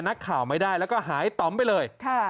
นักข่าวไม่ได้แล้วก็หายต่อมไปเลย